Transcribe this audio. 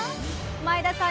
前田さん